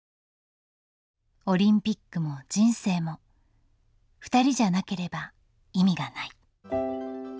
「オリンピックも人生もふたりじゃなければ意味がない」。